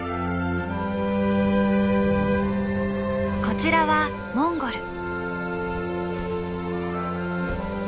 こちらはモンゴル。